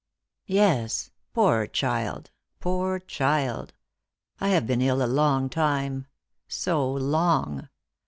" Yes ; poor child, poor child ! I have been ill a long time — so long.